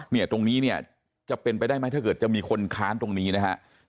เนี่ยตรงนี้เนี่ยจะเป็นไปได้ไหมถ้าเกิดจะมีคนค้านตรงนี้นะฮะ